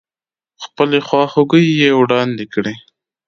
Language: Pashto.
خپلې خواخوږۍ يې واړندې کړې.